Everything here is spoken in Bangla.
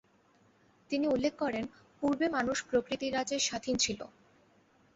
তিনি উল্লেখ করেন পূর্বে মানুষ প্রকৃতির রাজ্যে স্বাধীন ছিল।